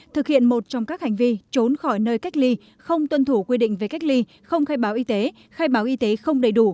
thực hiện một trong các hành vi trốn khỏi nơi cách ly không tuân thủ quy định về cách ly không khai báo y tế khai báo y tế không đầy đủ